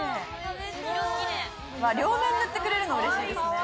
両面に塗ってくれるのうれしいですね。